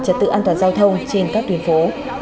trật tự an toàn giao thông trên các tuyến phố